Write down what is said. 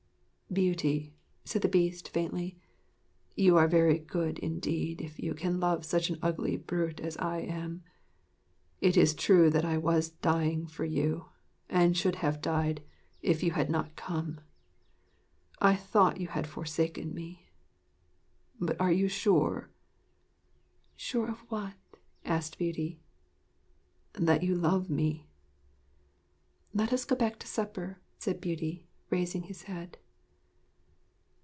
'Beauty,' said the Beast faintly, 'you are very good if indeed you can love such an ugly brute as I am. It is true that I was dying for you, and should have died if you had not come. I thought you had forsaken me. But are you sure?' 'Sure of what?' asked Beauty. 'That you love me?' 'Let us go back to supper,' said Beauty, raising his head.